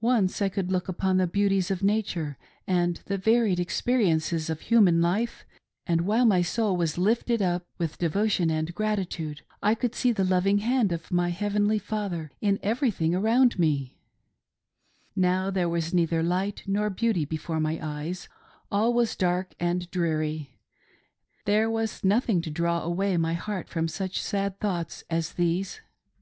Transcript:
Once I could look upon the beauties of nature and the varied experiences of human life, and while my soul was lifted up with devotion and gratitude, I could see the lov ing hand of my Heavenly Father in everything around me, Now there was neither light nor beauty before my eyes — all was dark and dreary; there was nothing to draw away my heart from such sad thoughts as these.